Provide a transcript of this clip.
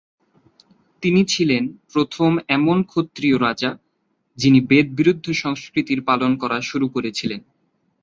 তিনি ছিলেন প্রথম এমন ক্ষত্রিয় রাজা, যিনি বেদ-বিরুদ্ধ সংস্কৃতির পালন করা শুরু করেছিলেন।